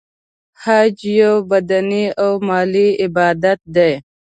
حج یو بدنې او مالی عبادت دی .